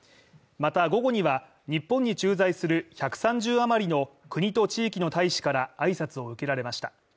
また午後には日本に駐在する１３０余りの国と地域の大使から挨拶を受けられました。